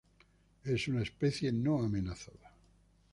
Es una especie no amenazada.